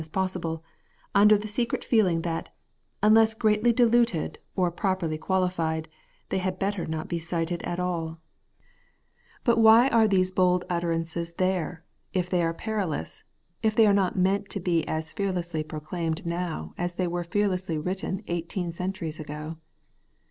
as possible, under the secret feeling that, unless greatly diluted or properly qualified, they had better not be cited at alL But why are these bold utter ances there, if they are perilous, if they are not meant to be as fearlessly proclaimed now as they were fearlessly written eighteen centuries ago